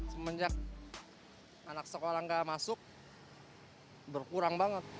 semenjak anak sekolah gak masuk berkurang banget